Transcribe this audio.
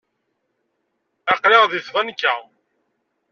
Aql-aɣ deg tbanka.